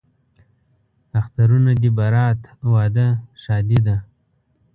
اخترونه دي برات، واده، ښادي ده